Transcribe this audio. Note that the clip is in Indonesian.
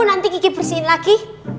nanti kiki bersihin lagi